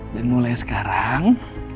dan mulai sekarang